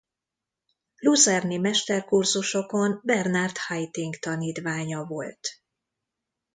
Luzerni mesterkurzusokon Bernard Haitink tanítványa volt.